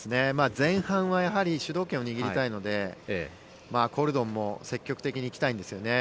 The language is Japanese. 前半はやはり主導権を握りたいのでコルドンも積極的に行きたいんですよね。